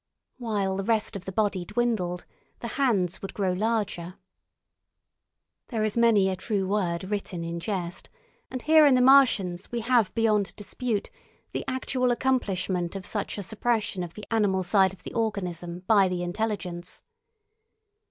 While the rest of the body dwindled, the hands would grow larger. There is many a true word written in jest, and here in the Martians we have beyond dispute the actual accomplishment of such a suppression of the animal side of the organism by the intelligence.